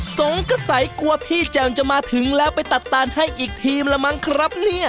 สองกระไ๋กลัวพี่แจมก็จะมาถึงแล้วไปตัดต่านให้อีกทีมละมั้งครับ